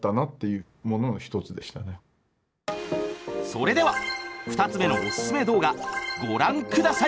それでは２つ目のオススメ動画ご覧下さい！